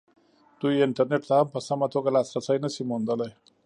دوی انټرنېټ ته هم په سمه توګه لاسرسی نه شي موندلی.